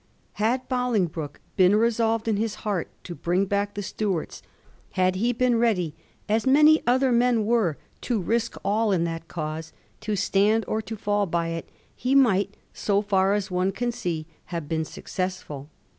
Had Bolingbroke been resolved in his heart to bring back the Stuarts, had he been ready, as many other men were, to risk all in that cause, to stand or £all by it, he might, so &r as one can see, have been successful.